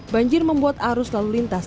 banjir membuat arus lalu lintas